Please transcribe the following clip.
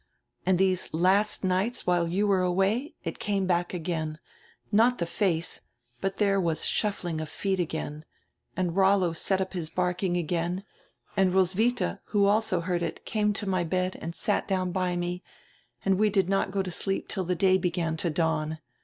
And these last nights while you were away, it came back again, not die face, but there was shuffling of feet again, and Rollo set up his barking again, and Ros witlia, who also heard it, came to my hed and sat down hy me and we did not go to sleep till day began to dawn.